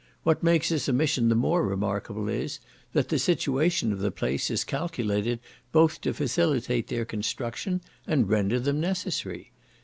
What makes this omission the more remarkable is, that the situation of the place is calculated both to facilitate their construction and render them necessary.